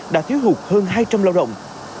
đã thiếu hụt hơn hai trăm linh lao động